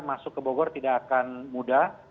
masuk ke bogor tidak akan mudah